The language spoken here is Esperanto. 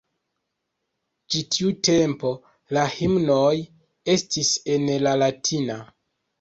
Ĝis tiu tempo la himnoj estis en la latina.